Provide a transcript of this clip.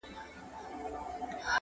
پوليس کور پلټي او سواهد راټولوي ډېر جدي